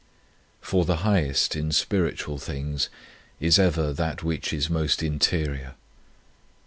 For the highest, in spiritual things, is ever that which is most interior.